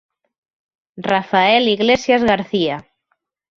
Rafael Iglesias García.